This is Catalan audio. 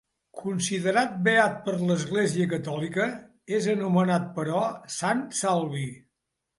Considerat beat per l'Església catòlica, és anomenat però, Sant Salvi.